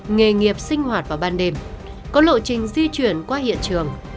nghề nghiệp sinh hoạt vào ban đêm có lộ trình di chuyển qua hiện trường